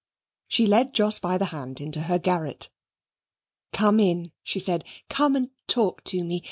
She led Jos by the hand into her garret. "Come in," she said. "Come and talk to me.